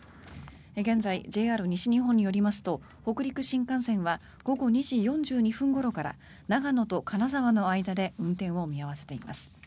現在、ＪＲ西日本によりますと北陸新幹線は午後２時４２分ごろから長野と金沢の間で運転を見合わせています。